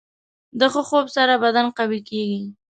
د ښه خوب سره بدن قوي کېږي.